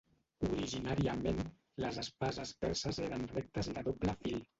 Originàriament, les espases perses eren rectes i de doble fil.